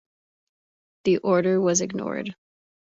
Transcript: The order was ignored.